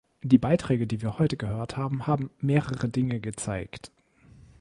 Die Beiträge, die wir heute gehört haben, haben mehrere Dinge gezeigt.